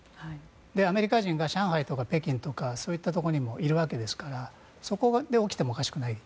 アメリカ人が上海とか北京とかにもいるわけですからそこで起きてもおかしくない。